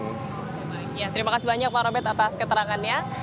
terima kasih banyak pak robet atas keterangannya